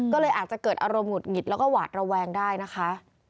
ก็เลยอาจจะเกิดอารมณ์หุดหงิดแล้วก็หวาดระแวงได้นะคะ